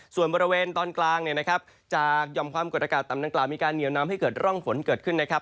ส่วนบริเวณตอนกลางเนี่ยนะครับจากหย่อมความกดอากาศต่ำดังกล่าวมีการเหนียวนำให้เกิดร่องฝนเกิดขึ้นนะครับ